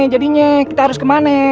jadinya kita harus kemana